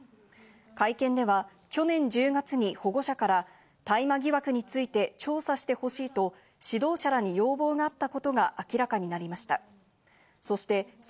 会見では、去年１０月に保護者から大麻疑惑について調査してほしいと指導者らに要望があったことが明らかになりました。